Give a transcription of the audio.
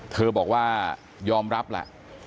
เธอบอกว่ายอมรับแหละ